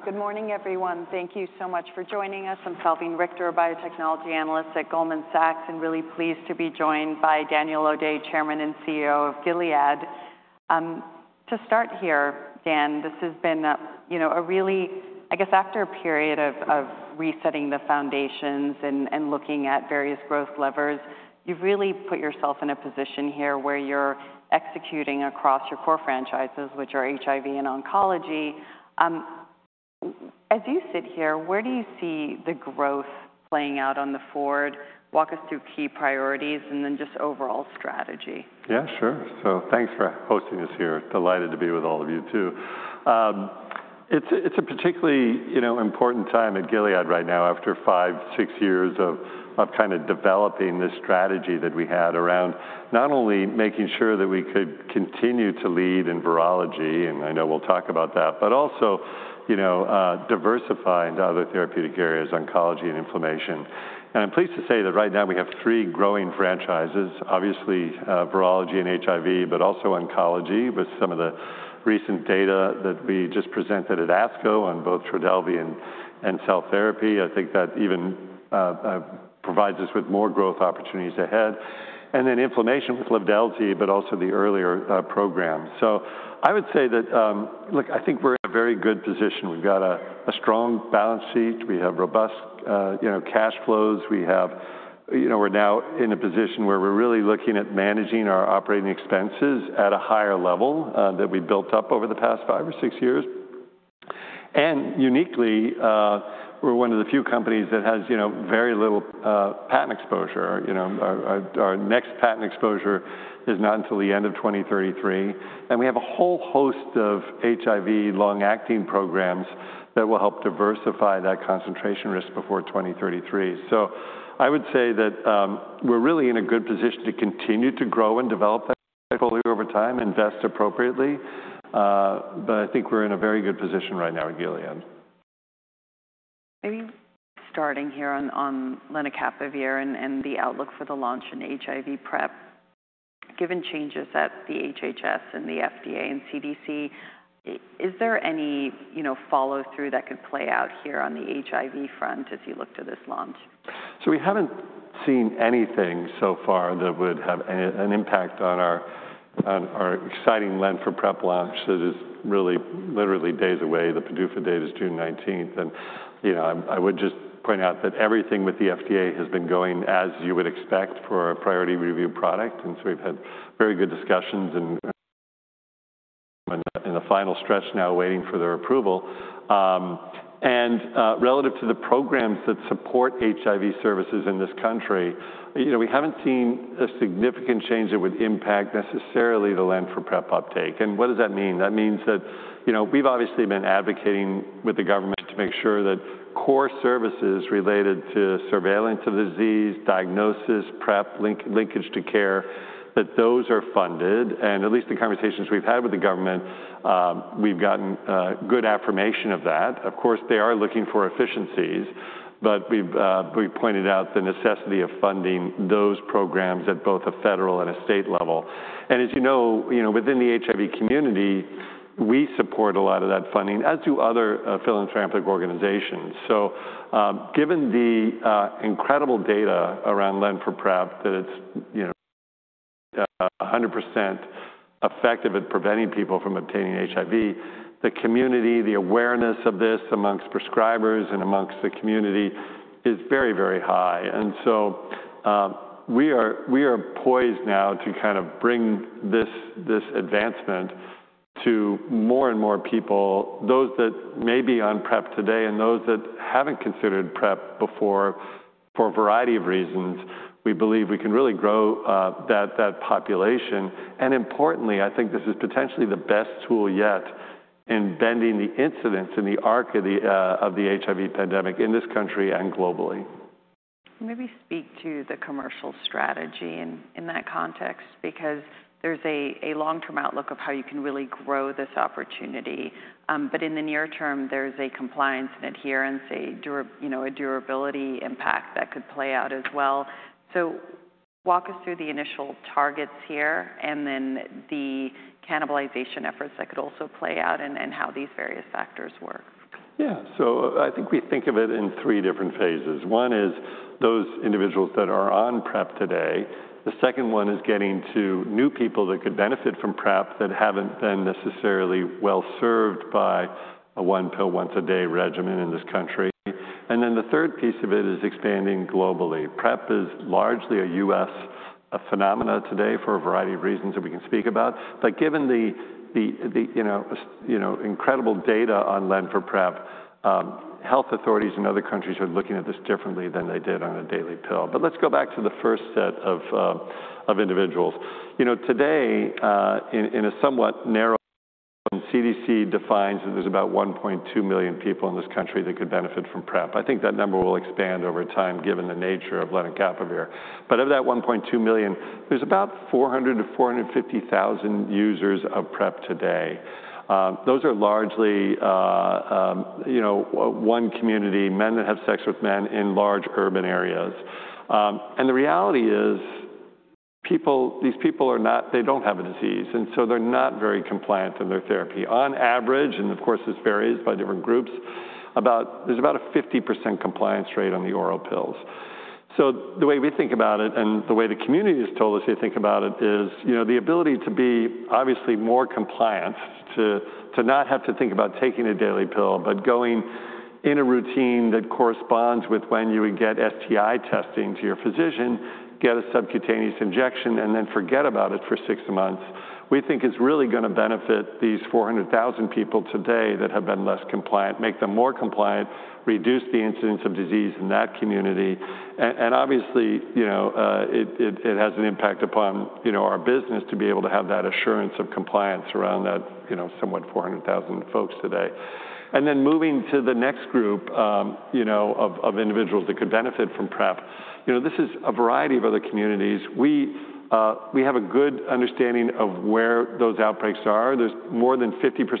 Great. Good morning, everyone. Thank you so much for joining us. I'm Salveen Richter, a biotechnology analyst at Goldman Sachs, and really pleased to be joined by Daniel O'Day, Chairman and CEO of Gilead. To start here, Dan, this has been a really, I guess, after a period of resetting the foundations and looking at various growth levers, you've really put yourself in a position here where you're executing across your core franchises, which are HIV and oncology. As you sit here, where do you see the growth playing out on the forward? Walk us through key priorities and then just overall strategy. Yeah, sure. Thanks for hosting us here. Delighted to be with all of you too. It's a particularly important time at Gilead right now, after five, six years of kind of developing this strategy that we had around not only making sure that we could continue to lead in virology, and I know we'll talk about that, but also diversifying to other therapeutic areas, oncology and inflammation. I'm pleased to say that right now we have three growing franchises, obviously virology and HIV, but also oncology with some of the recent data that we just presented at ASCO on both Trodelvy and cell therapy. I think that even provides us with more growth opportunities ahead. Inflammation with Livdelzi, but also the earlier program. I would say that, look, I think we're in a very good position. We've got a strong balance sheet. We have robust cash flows. We're now in a position where we're really looking at managing our operating expenses at a higher level that we built up over the past five or six years. Uniquely, we're one of the few companies that has very little patent exposure. Our next patent exposure is not until the end of 2033. We have a whole host of HIV long-acting programs that will help diversify that concentration risk before 2033. I would say that we're really in a good position to continue to grow and develop that portfolio over time, invest appropriately. I think we're in a very good position right now at Gilead. Maybe starting here on lenacapavir and the outlook for the launch in HIV PrEP, given changes at the HHS and the FDA and CDC, is there any follow-through that could play out here on the HIV front as you look to this launch? We have not seen anything so far that would have an impact on our exciting lenacapavir for PrEP launch that is really literally days away. The PDUFA date is June 19th. I would just point out that everything with the FDA has been going as you would expect for a priority review product. We have had very good discussions and are in the final stretch now waiting for their approval. Relative to the programs that support HIV services in this country, we have not seen a significant change that would impact necessarily the lenacapavir for PrEP uptake. What does that mean? That means that we have obviously been advocating with the government to make sure that core services related to surveillance of the disease, diagnosis, PrEP, linkage to care, that those are funded. At least the conversations we have had with the government, we have gotten good affirmation of that. Of course, they are looking for efficiencies, but we pointed out the necessity of funding those programs at both a federal and a state level. As you know, within the HIV community, we support a lot of that funding, as do other philanthropic organizations. Given the incredible data around lenacapavir for PrEP, that it is 100% effective at preventing people from obtaining HIV, the community, the awareness of this amongst prescribers and amongst the community is very, very high. We are poised now to kind of bring this advancement to more and more people, those that may be on PrEP today and those that have not considered PrEP before for a variety of reasons. We believe we can really grow that population. Importantly, I think this is potentially the best tool yet in bending the incidence in the arc of the HIV pandemic in this country and globally. Maybe speak to the commercial strategy in that context, because there's a long-term outlook of how you can really grow this opportunity. In the near term, there's a compliance and adherence, a durability impact that could play out as well. Walk us through the initial targets here and then the cannibalization efforts that could also play out and how these various factors work. Yeah. I think we think of it in three different phases. One is those individuals that are on PrEP today. The second one is getting to new people that could benefit from PrEP that have not been necessarily well served by a one pill, once a day regimen in this country. The third piece of it is expanding globally. PrEP is largely a U.S. phenomenon today for a variety of reasons that we can speak about. Given the incredible data on lenacapavir for PrEP, health authorities in other countries are looking at this differently than they did on a daily pill. Let's go back to the first set of individuals. Today, in a somewhat narrow, CDC defines that there are about 1.2 million people in this country that could benefit from PrEP. I think that number will expand over time given the nature of lenacapavir. Of that 1.2 million, there's about 400,000-450,000 users of PrEP today. Those are largely one community, men that have sex with men in large urban areas. The reality is these people are not, they don't have a disease. They're not very compliant in their therapy. On average, and of course, this varies by different groups, there's about a 50% compliance rate on the oral pills. The way we think about it and the way the community has told us they think about it is the ability to be obviously more compliant, to not have to think about taking a daily pill, but going in a routine that corresponds with when you would get STI testing to your physician, get a subcutaneous injection, and then forget about it for six months. We think it's really going to benefit these 400,000 people today that have been less compliant, make them more compliant, reduce the incidence of disease in that community. It obviously has an impact upon our business to be able to have that assurance of compliance around that somewhat 400,000 folks today. Moving to the next group of individuals that could benefit from PrEP, this is a variety of other communities. We have a good understanding of where those outbreaks are. There's more than 50%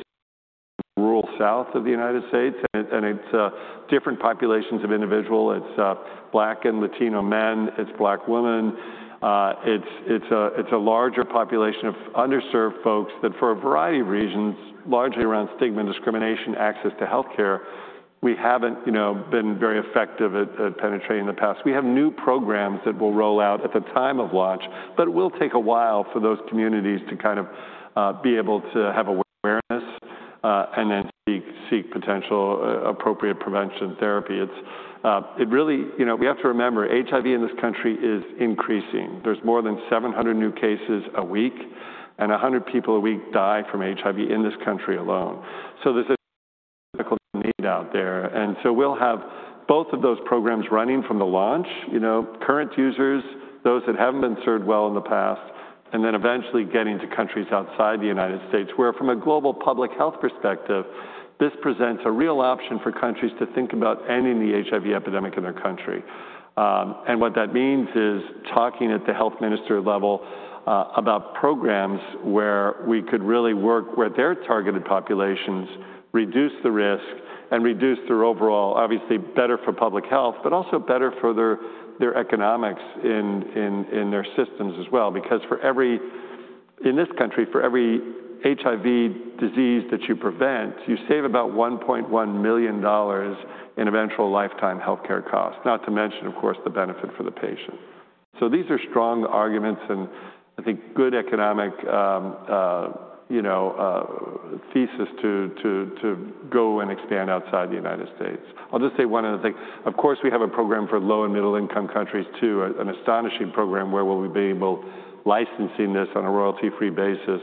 rural south of the United States. It's different populations of individuals. It's Black and Latino men. It's Black women. It's a larger population of underserved folks that for a variety of reasons, largely around stigma, discrimination, access to healthcare, we haven't been very effective at penetrating in the past. We have new programs that will roll out at the time of launch, but it will take a while for those communities to kind of be able to have awareness and then seek potential appropriate prevention therapy. We really have to remember, HIV in this country is increasing. There are more than 700 new cases a week, and 100 people a week die from HIV in this country alone. There is a medical need out there. We will have both of those programs running from the launch, current users, those that have not been served well in the past, and eventually getting to countries outside the United States, where from a global public health perspective, this presents a real option for countries to think about ending the HIV epidemic in their country. What that means is talking at the health minister level about programs where we could really work with their targeted populations, reduce the risk, and reduce their overall, obviously better for public health, but also better for their economics in their systems as well. Because in this country, for every HIV disease that you prevent, you save about $1.1 million in eventual lifetime healthcare costs, not to mention, of course, the benefit for the patient. These are strong arguments and I think good economic thesis to go and expand outside the United States. I'll just say one other thing. Of course, we have a program for low and middle-income countries too, an astonishing program where we'll be able to license this on a royalty-free basis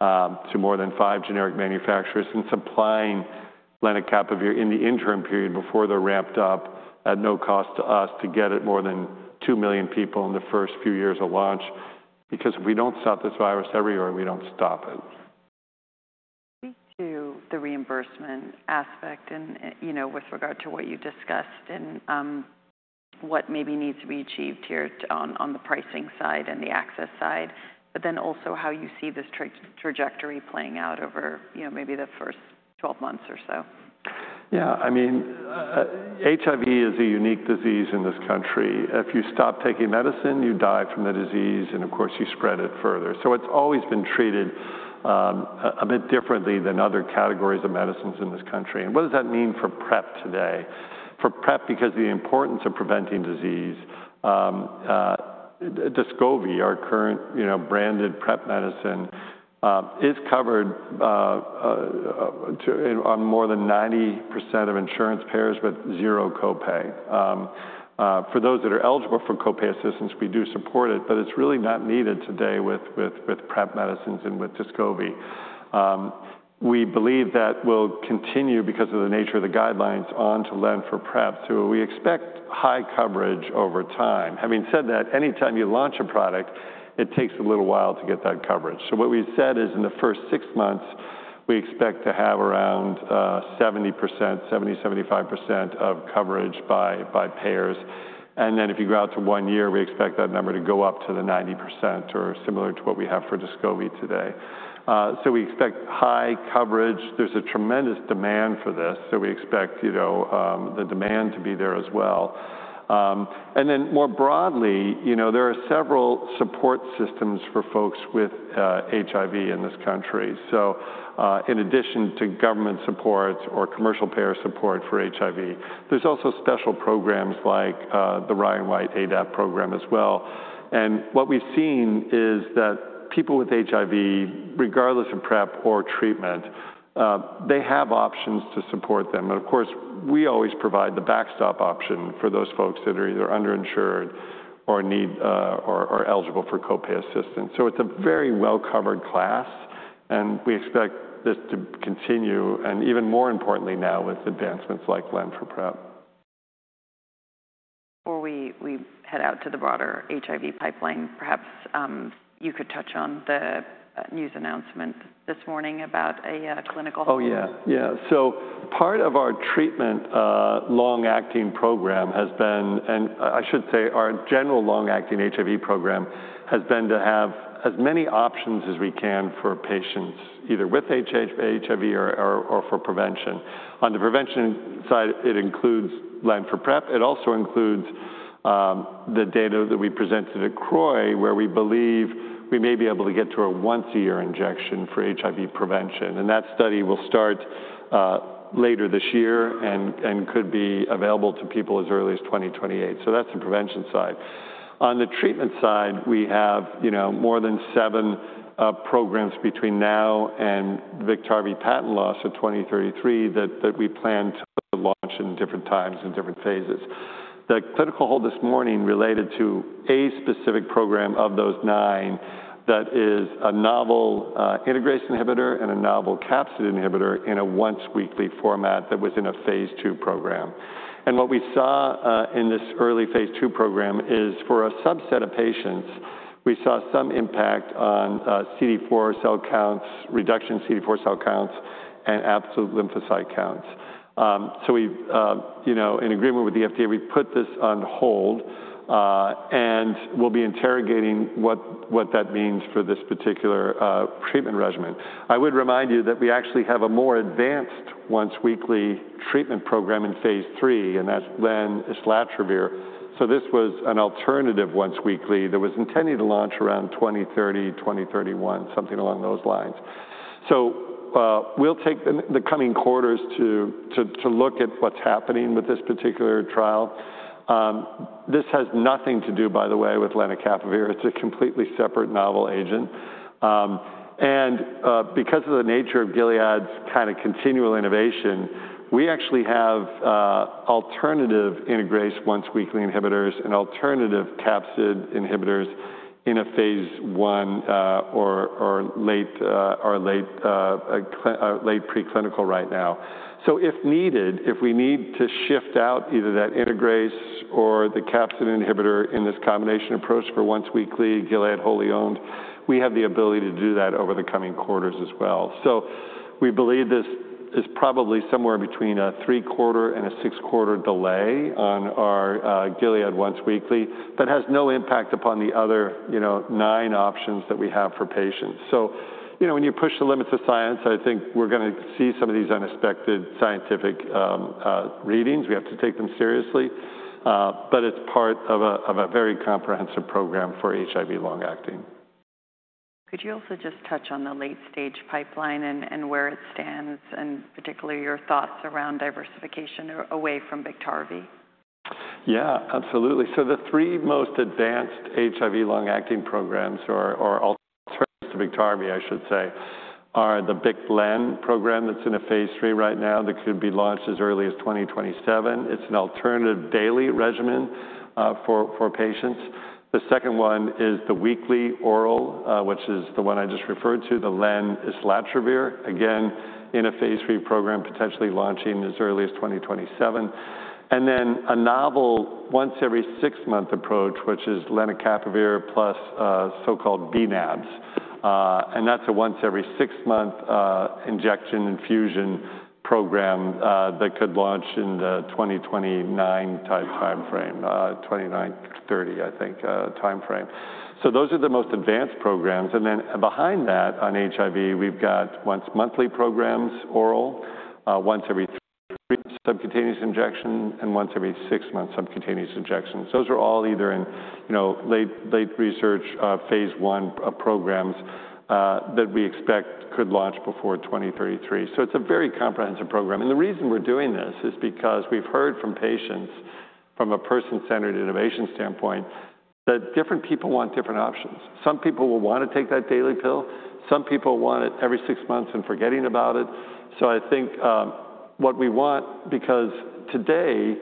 to more than five generic manufacturers and supplying lenacapavir in the interim period before they're ramped up at no cost to us to get it to more than 2 million people in the first few years of launch. Because if we don't stop this virus everywhere, we don't stop it. Speak to the reimbursement aspect with regard to what you discussed and what maybe needs to be achieved here on the pricing side and the access side, but then also how you see this trajectory playing out over maybe the first 12 months or so. Yeah. I mean, HIV is a unique disease in this country. If you stop taking medicine, you die from the disease, and of course, you spread it further. It has always been treated a bit differently than other categories of medicines in this country. What does that mean for PrEP today? For PrEP, because of the importance of preventing disease, Descovy, our current branded PrEP medicine, is covered on more than 90% of insurance payers, with zero copay. For those that are eligible for copay assistance, we do support it, but it is really not needed today with PrEP medicines and with Descovy. We believe that will continue because of the nature of the guidelines on to lent for PrEP. We expect high coverage over time. Having said that, anytime you launch a product, it takes a little while to get that coverage. What we said is in the first six months, we expect to have around 70%-75% of coverage by payers. If you go out to one year, we expect that number to go up to 90% or similar to what we have for Descovy today. We expect high coverage. There is a tremendous demand for this. We expect the demand to be there as well. More broadly, there are several support systems for folks with HIV in this country. In addition to government support or commercial payer support for HIV, there are also special programs like the Ryan White ADAP program as well. What we have seen is that people with HIV, regardless of PrEP or treatment, have options to support them. Of course, we always provide the backstop option for those folks that are either underinsured or eligible for copay assistance. It is a very well-covered class. We expect this to continue and even more importantly now with advancements like lenacapavir for PrEP. Before we head out to the broader HIV pipeline, perhaps you could touch on the news announcement this morning about a clinical. Oh, yeah. Yeah. Part of our treatment long-acting program has been, and I should say our general long-acting HIV program has been to have as many options as we can for patients either with HIV or for prevention. On the prevention side, it includes lenacapavir for PrEP. It also includes the data that we presented at CROI, where we believe we may be able to get to a once-a-year injection for HIV prevention. That study will start later this year and could be available to people as early as 2028. That is the prevention side. On the treatment side, we have more than seven programs between now and Biktarvy patent loss of 2033 that we plan to launch in different times and different phases. The clinical hold this morning related to a specific program of those nine that is a novel integrase inhibitor and a novel capsid inhibitor in a once-weekly format that was in a phase two program. What we saw in this early phase two program is for a subset of patients, we saw some impact on CD4 cell counts, reduction CD4 cell counts, and absolute lymphocyte counts. In agreement with the FDA, we put this on hold and we'll be interrogating what that means for this particular treatment regimen. I would remind you that we actually have a more advanced once-weekly treatment program in phase three, and that then is lenacapavir. This was an alternative once-weekly that was intended to launch around 2030-2031, something along those lines. We'll take the coming quarters to look at what's happening with this particular trial. This has nothing to do, by the way, with lenacapavir. It's a completely separate novel agent. And because of the nature of Gilead's kind of continual innovation, we actually have alternative integrase once-weekly inhibitors and alternative capsid inhibitors in a phase one or late preclinical right now. If needed, if we need to shift out either that integrase or the capsid inhibitor in this combination approach for once-weekly, Gilead wholly owned, we have the ability to do that over the coming quarters as well. We believe this is probably somewhere between a three-quarter and a six-quarter delay on our Gilead once-weekly that has no impact upon the other nine options that we have for patients. When you push the limits of science, I think we're going to see some of these unexpected scientific readings. We have to take them seriously. It is part of a very comprehensive program for HIV long-acting. Could you also just touch on the late-stage pipeline and where it stands and particularly your thoughts around diversification away from Biktarvy? Yeah, absolutely. The three most advanced HIV long-acting programs or alternatives to Biktarvy, I should say, are the BICLEN program that's in a phase three right now that could be launched as early as 2027. It's an alternative daily regimen for patients. The second one is the weekly oral, which is the one I just referred to, the lenacapavir, again, in a phase three program potentially launching as early as 2027. Then a novel once-every-six-month approach, which is lenacapavir plus so-called bNAbs. That's a once-every-six-month injection infusion program that could launch in the 2029 timeframe, 2029-2030, I think, timeframe. Those are the most advanced programs. Behind that on HIV, we've got once-monthly programs oral, once-every-three-month subcutaneous injection, and once-every-six-month subcutaneous injections. Those are all either in late research phase one programs that we expect could launch before 2033. It's a very comprehensive program. The reason we're doing this is because we've heard from patients from a person-centered innovation standpoint that different people want different options. Some people will want to take that daily pill. Some people want it every six months and forgetting about it. I think what we want, because today,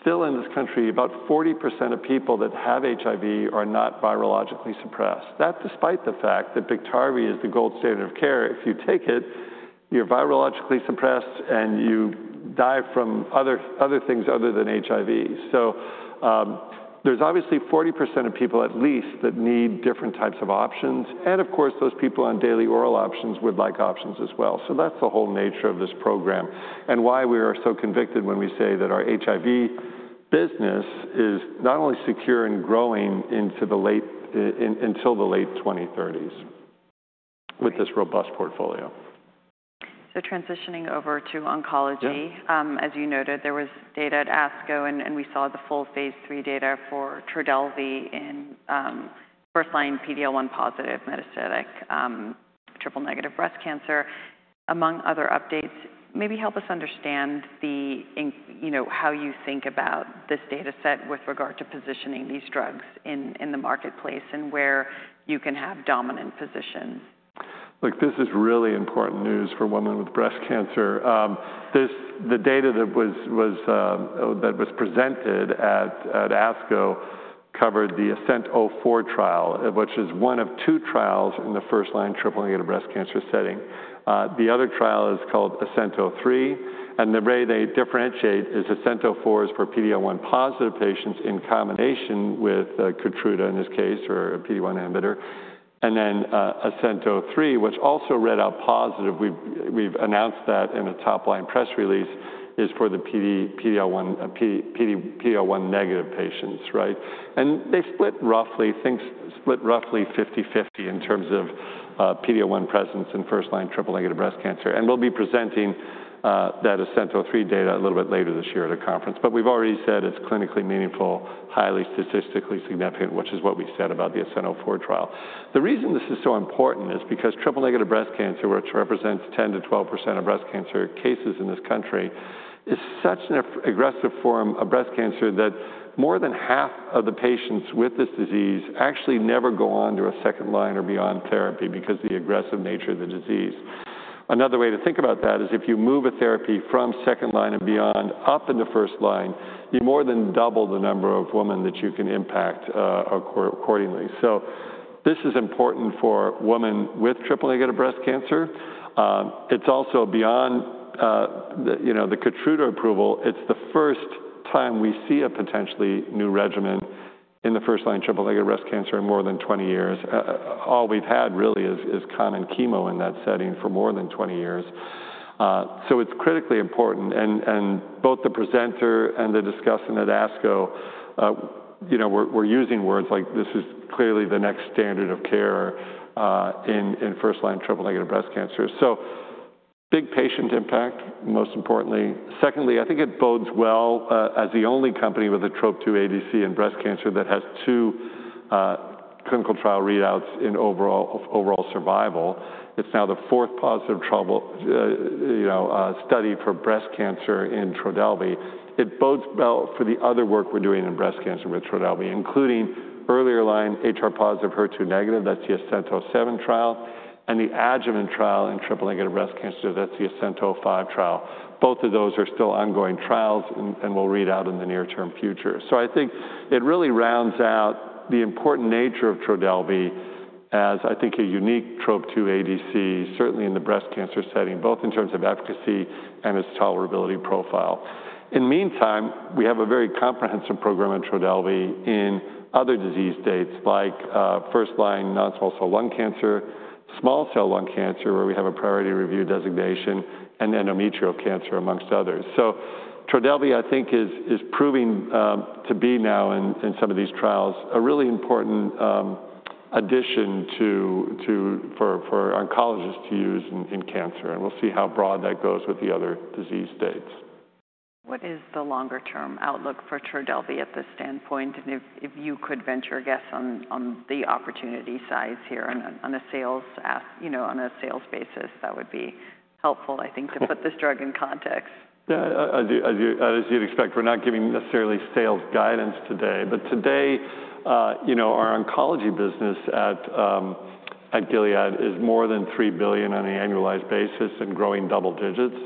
still in this country, about 40% of people that have HIV are not virologically suppressed. That is despite the fact that Biktarvy is the gold standard of care. If you take it, you're virologically suppressed and you die from other things other than HIV. There's obviously 40% of people at least that need different types of options. Of course, those people on daily oral options would like options as well. That's the whole nature of this program and why we are so convicted when we say that our HIV business is not only secure and growing until the late 2030s with this robust portfolio. Transitioning over to oncology, as you noted, there was data at ASCO and we saw the full phase three data for Trodelvy in first-line PD-L1 positive metastatic triple-negative breast cancer. Among other updates, maybe help us understand how you think about this data set with regard to positioning these drugs in the marketplace and where you can have dominant positions. Look, this is really important news for women with breast cancer. The data that was presented at ASCO covered the ASCENT-04 trial, which is one of two trials in the first-line triple-negative breast cancer setting. The other trial is called ASCENT-03. The way they differentiate is ASCENT-04 is for PD-L1 positive patients in combination with Keytruda in this case or a PD-1 inhibitor. ASCENT-03, which also read out positive, we've announced that in a top-line press release, is for the PD-L1 negative patients, right? They split roughly, things split roughly 50-50 in terms of PD-L1 presence in first-line triple-negative breast cancer. We'll be presenting that ASCENT-03 data a little bit later this year at a conference. We've already said it's clinically meaningful, highly statistically significant, which is what we said about the ASCENT-04 trial. The reason this is so important is because triple-negative breast cancer, which represents 10%-12% of breast cancer cases in this country, is such an aggressive form of breast cancer that more than half of the patients with this disease actually never go on to a second line or beyond therapy because of the aggressive nature of the disease. Another way to think about that is if you move a therapy from second line and beyond up into first line, you more than double the number of women that you can impact accordingly. This is important for women with triple-negative breast cancer. It's also beyond the Keytruda approval. It's the first time we see a potentially new regimen in the first-line triple-negative breast cancer in more than 20 years. All we've had really is common chemo in that setting for more than 20 years. It is critically important. Both the presenter and the discussant at ASCO were using words like this is clearly the next standard of care in first-line triple-negative breast cancer. Big patient impact, most importantly. Secondly, I think it bodes well as the only company with a TROP2 ADC in breast cancer that has two clinical trial readouts in overall survival. It is now the fourth positive study for breast cancer in Trodelvy. It bodes well for the other work we are doing in breast cancer with Trodelvy, including earlier line HR positive HER2 negative, that is the ASCENT-07 trial, and the adjuvant trial in triple-negative breast cancer, that is the ASCENT-05 trial. Both of those are still ongoing trials and will read out in the near-term future. I think it really rounds out the important nature of Trodelvy as I think a unique TROP2 ADC, certainly in the breast cancer setting, both in terms of efficacy and its tolerability profile. In the meantime, we have a very comprehensive program at Trodelvy in other disease states like first-line non-small cell lung cancer, small cell lung cancer, where we have a priority review designation, and endometrial cancer, amongst others. Trodelvy, I think, is proving to be now in some of these trials a really important addition for oncologists to use in cancer. We'll see how broad that goes with the other disease states. What is the longer-term outlook for Trodelvy at this standpoint? If you could venture a guess on the opportunity size here on a sales basis, that would be helpful, I think, to put this drug in context. Yeah, as you'd expect, we're not giving necessarily sales guidance today. But today, our oncology business at Gilead is more than $3 billion on an annualized basis and growing double digits.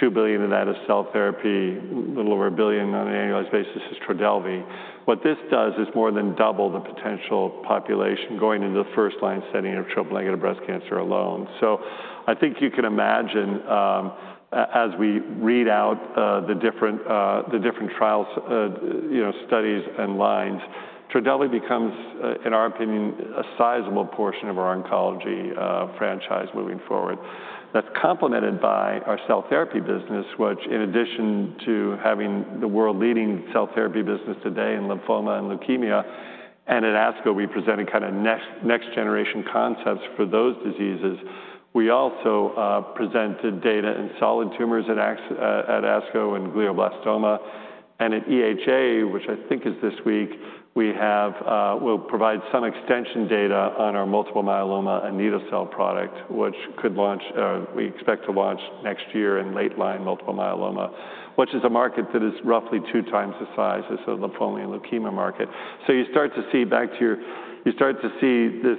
$2 billion of that is cell therapy. A little over $1 billion on an annualized basis is Trodelvy. What this does is more than double the potential population going into the first-line setting of triple-negative breast cancer alone. I think you can imagine as we read out the different trials, studies, and lines, Trodelvy becomes, in our opinion, a sizable portion of our oncology franchise moving forward. That's complemented by our cell therapy business, which in addition to having the world-leading cell therapy business today in lymphoma and leukemia, and at ASCO, we presented kind of next-generation concepts for those diseases. We also presented data in solid tumors at ASCO and glioblastoma. At EHA, which I think is this week, we will provide some extension data on our multiple myeloma and needle cell product, which we expect to launch next year in late-line multiple myeloma, which is a market that is roughly two times the size as the lymphoma and leukemia market. You start to see, back to your, you start to see this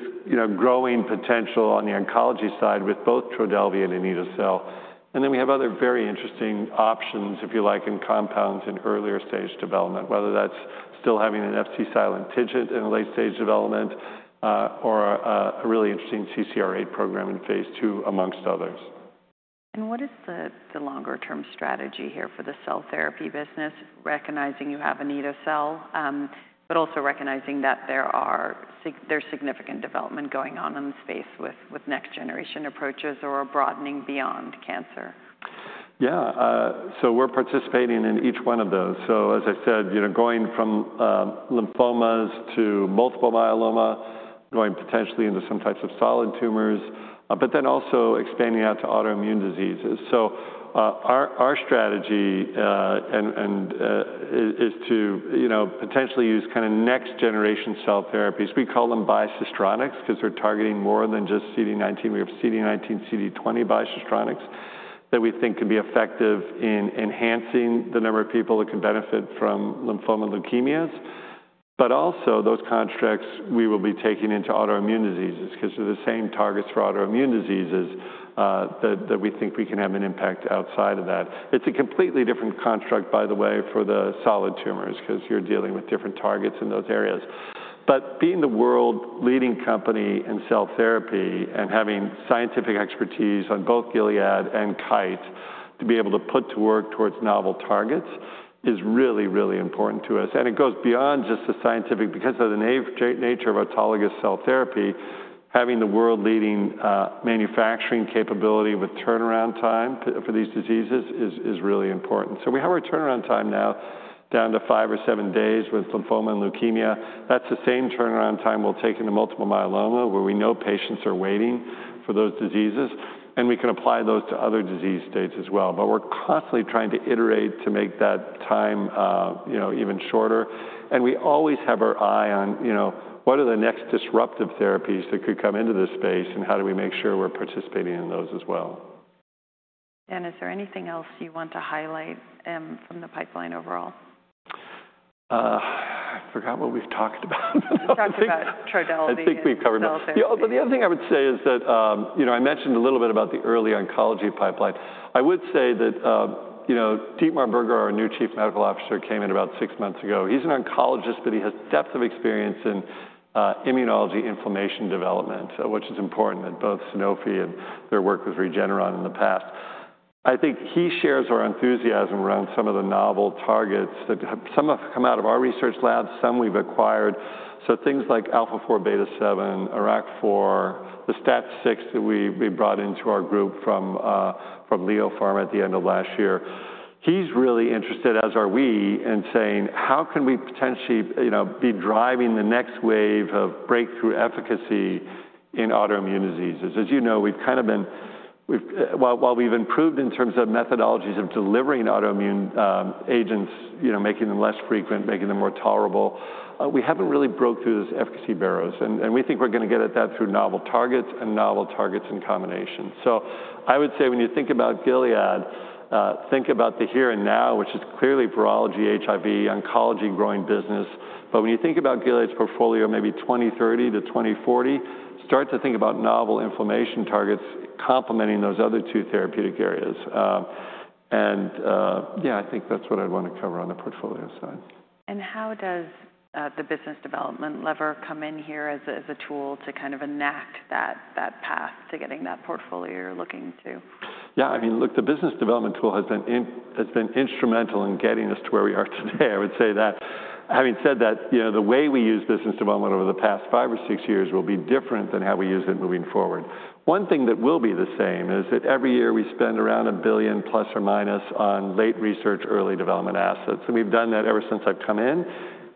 growing potential on the oncology side with both Trodelvy and in needle cell. We have other very interesting options, if you like, in compounds in earlier stage development, whether that's still having an FC silent digit in late-stage development or a really interesting CCR8 program in phase two, amongst others. What is the longer-term strategy here for the cell therapy business, recognizing you have a needle cell, but also recognizing that there's significant development going on in the space with next-generation approaches or broadening beyond cancer? Yeah, so we're participating in each one of those. As I said, going from lymphomas to multiple myeloma, going potentially into some types of solid tumors, but then also expanding out to autoimmune diseases. Our strategy is to potentially use kind of next-generation cell therapies. We call them bisystronics because they're targeting more than just CD19. We have CD19, CD20 bisystronics that we think can be effective in enhancing the number of people that can benefit from lymphoma and leukemias. Also, those constructs we will be taking into autoimmune diseases because they're the same targets for autoimmune diseases that we think we can have an impact outside of that. It is a completely different construct, by the way, for the solid tumors because you're dealing with different targets in those areas. Being the world-leading company in cell therapy and having scientific expertise on both Gilead and Kite to be able to put to work towards novel targets is really, really important to us. It goes beyond just the scientific because of the nature of autologous cell therapy, having the world-leading manufacturing capability with turnaround time for these diseases is really important. We have our turnaround time now down to five or seven days with lymphoma and leukemia. That is the same turnaround time we will take into multiple myeloma where we know patients are waiting for those diseases. We can apply those to other disease states as well. We are constantly trying to iterate to make that time even shorter. We always have our eye on what are the next disruptive therapies that could come into this space and how do we make sure we're participating in those as well. Is there anything else you want to highlight from the pipeline overall? I forgot what we've talked about. Talked about Trodelvy. I think we've covered it. The other thing I would say is that I mentioned a little bit about the early oncology pipeline. I would say that Dietmar Berger, our new Chief Medical Officer, came in about six months ago. He's an oncologist, but he has depth of experience in immunology inflammation development, which is important at both Sanofi and their work with Regeneron in the past. I think he shares our enthusiasm around some of the novel targets that some have come out of our research lab, some we've acquired. So things like Alpha4, Beta7, IRAK4, the Stat6 that we brought into our group from Leo Pharma at the end of last year. He's really interested, as are we, in saying how can we potentially be driving the next wave of breakthrough efficacy in autoimmune diseases. As you know, we've kind of been, while we've improved in terms of methodologies of delivering autoimmune agents, making them less frequent, making them more tolerable, we haven't really broke through those efficacy barrels. We think we're going to get at that through novel targets and novel targets in combination. I would say when you think about Gilead, think about the here and now, which is clearly virology, HIV, oncology growing business. When you think about Gilead's portfolio, maybe 2030-2040, start to think about novel inflammation targets complementing those other two therapeutic areas. Yeah, I think that's what I'd want to cover on the portfolio side. How does the business development lever come in here as a tool to kind of enact that path to getting that portfolio you're looking to? Yeah, I mean, look, the business development tool has been instrumental in getting us to where we are today. I would say that having said that, the way we use business development over the past five or six years will be different than how we use it moving forward. One thing that will be the same is that every year we spend around $1 billion plus or minus on late research, early development assets. And we've done that ever since I've come in.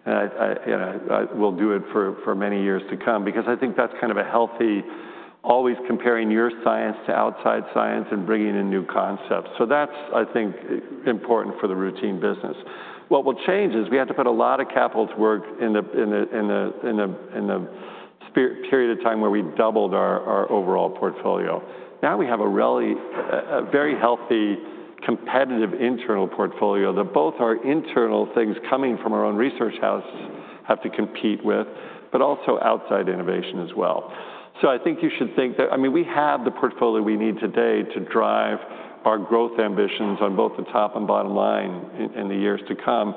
And we'll do it for many years to come because I think that's kind of a healthy, always comparing your science to outside science and bringing in new concepts. So that's, I think, important for the routine business. What will change is we had to put a lot of capital to work in the period of time where we doubled our overall portfolio. Now we have a very healthy, competitive internal portfolio that both our internal things coming from our own research house have to compete with, but also outside innovation as well. I think you should think that, I mean, we have the portfolio we need today to drive our growth ambitions on both the top and bottom line in the years to come.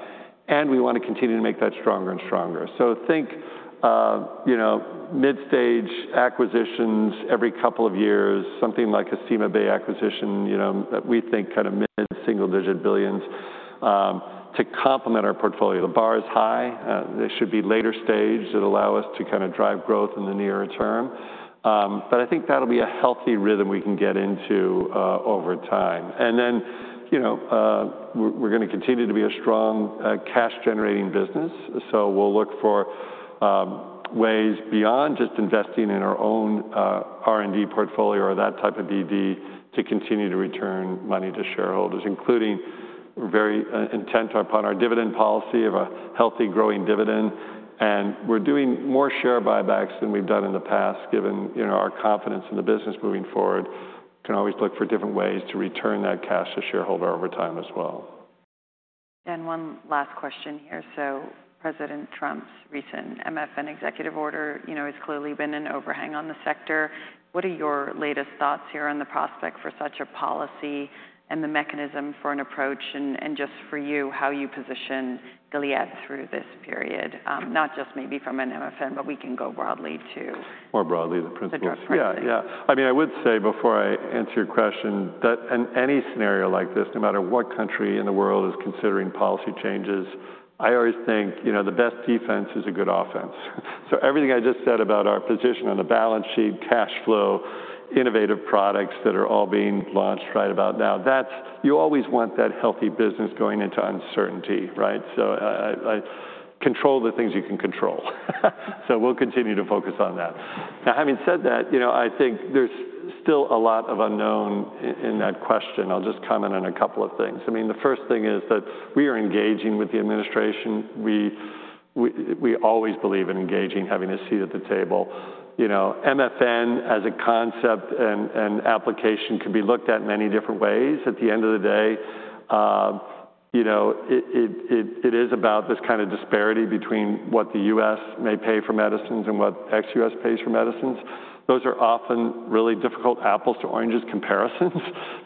We want to continue to make that stronger and stronger. Think mid-stage acquisitions every couple of years, something like a CymaBay acquisition that we think kind of mid-single digit billions to complement our portfolio. The bar is high. They should be later stage that allow us to kind of drive growth in the near term. I think that'll be a healthy rhythm we can get into over time. We are going to continue to be a strong cash-generating business. We will look for ways beyond just investing in our own R&D portfolio or that type of EV to continue to return money to shareholders, including very intent upon our dividend policy of a healthy, growing dividend. We are doing more share buybacks than we have done in the past, given our confidence in the business moving forward. We can always look for different ways to return that cash to shareholders over time as well. One last question here. President Trump's recent MFN executive order has clearly been an overhang on the sector. What are your latest thoughts here on the prospect for such a policy and the mechanism for an approach? Just for you, how you position Gilead through this period, not just maybe from an MFN, but we can go broadly to. More broadly, the principles. Yeah, yeah. I mean, I would say before I answer your question, that in any scenario like this, no matter what country in the world is considering policy changes, I always think the best defense is a good offense. Everything I just said about our position on the balance sheet, cash flow, innovative products that are all being launched right about now, you always want that healthy business going into uncertainty, right? Control the things you can control. We will continue to focus on that. Now, having said that, I think there is still a lot of unknown in that question. I will just comment on a couple of things. I mean, the first thing is that we are engaging with the administration. We always believe in engaging, having a seat at the table. MFN as a concept and application can be looked at many different ways. At the end of the day, it is about this kind of disparity between what the U.S. may pay for medicines and what ex-U.S. pays for medicines. Those are often really difficult apples-to-oranges comparisons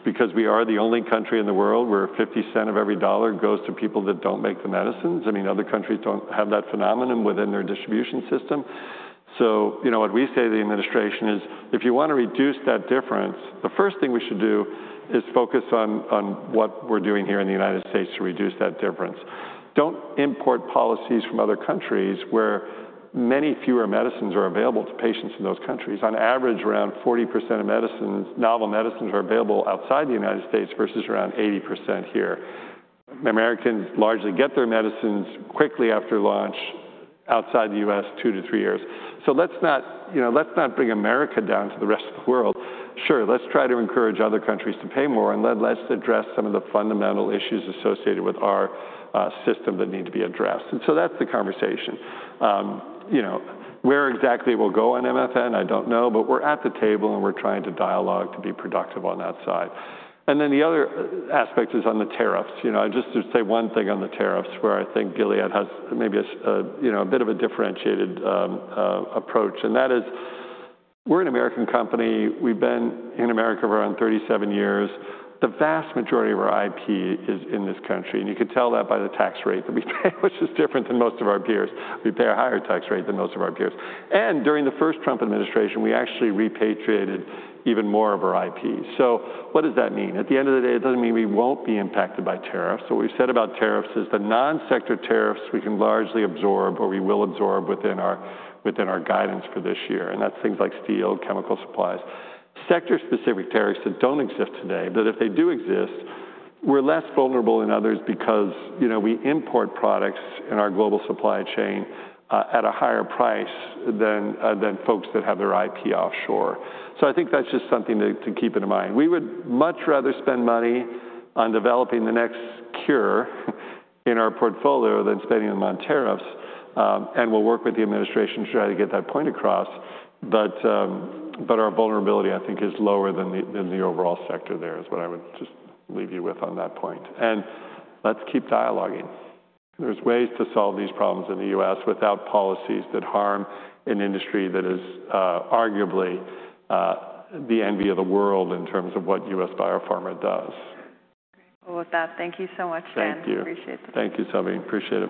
because we are the only country in the world where 50 cents of every dollar goes to people that do not make the medicines. I mean, other countries do not have that phenomenon within their distribution system. What we say to the administration is, if you want to reduce that difference, the first thing we should do is focus on what we are doing here in the United States to reduce that difference. Do not import policies from other countries where many fewer medicines are available to patients in those countries. On average, around 40% of novel medicines are available outside the U.S. versus around 80% here. Americans largely get their medicines quickly after launch outside the U.S., two to three years. Let's not bring America down to the rest of the world. Sure, let's try to encourage other countries to pay more and let's address some of the fundamental issues associated with our system that need to be addressed. That is the conversation. Where exactly we'll go on MFN, I don't know, but we're at the table and we're trying to dialogue to be productive on that side. The other aspect is on the tariffs. Just to say one thing on the tariffs where I think Gilead has maybe a bit of a differentiated approach. That is, we're an American company. We've been in America for around 37 years. The vast majority of our IP is in this country. You can tell that by the tax rate that we pay, which is different than most of our peers. We pay a higher tax rate than most of our peers. During the first Trump administration, we actually repatriated even more of our IP. What does that mean? At the end of the day, it does not mean we will not be impacted by tariffs. What we have said about tariffs is the non-sector tariffs we can largely absorb or we will absorb within our guidance for this year. That is things like steel, chemical supplies, sector-specific tariffs that do not exist today, but if they do exist, we are less vulnerable than others because we import products in our global supply chain at a higher price than folks that have their IP offshore. I think that's just something to keep in mind. We would much rather spend money on developing the next cure in our portfolio than spending them on tariffs. We'll work with the administration to try to get that point across. Our vulnerability, I think, is lower than the overall sector there is what I would just leave you with on that point. Let's keep dialoguing. There are ways to solve these problems in the U.S. without policies that harm an industry that is arguably the envy of the world in terms of what U.S. biopharma does. Thank you so much, Dan. Thank you. Appreciate it. Thank you, Sylvie. Appreciate it.